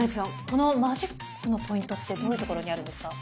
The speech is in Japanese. このマジックのポイントってどういうところにあるんですか？